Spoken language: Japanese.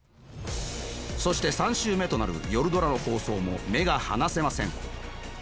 そして３週目となる「夜ドラ」の放送も目が離せません。